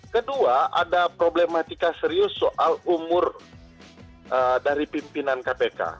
kedua ada problematika serius soal umur dari pimpinan kpk